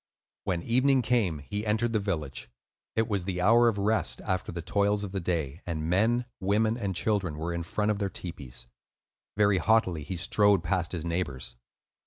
When evening came, he entered the village. It was the hour of rest after the toils of the day, and men, women, and children were in front of their tepees. Very haughtily he strode past his neighbors.